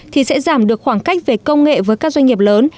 thì sẽ giảm được khoảng cách về công nghệ với các doanh nghiệp lớn